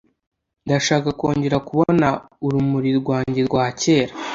Ndashaka kongera kubona urumuri rwanjye rwa kera.